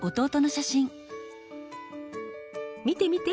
見て見て！